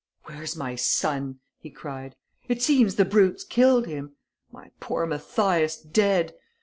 "Where's my son?" he cried. "It seems the brute's killed him!... My poor Mathias dead!